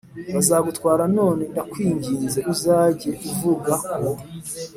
bazagutwara None ndakwinginze uzajye uvuga ko